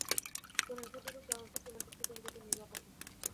জনৈক ভদ্রলোক দারুণ সব রোমান্টিক চিঠি লিখেছে নীলু আপাকে।